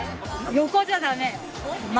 横じゃダメ前。